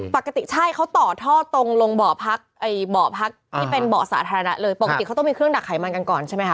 ปกติใช่เขาต่อท่อตรงลงบ่อพักไอ้เบาะพักที่เป็นเบาะสาธารณะเลยปกติเขาต้องมีเครื่องดักไขมันกันก่อนใช่ไหมคะ